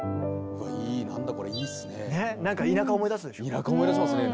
田舎思い出しますね。